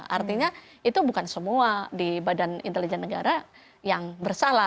artinya itu bukan semua di badan intelijen negara yang bersalah